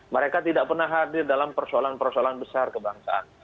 mereka tidak pernah hadir dalam persoalan persoalan besar kebangsaan